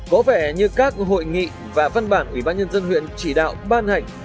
có vẻ như các hội nghị và văn bản ủy ban nhân dân huyện chỉ đạo ban hành